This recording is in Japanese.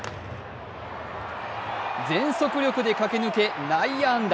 全速力で駆け抜け内野安打。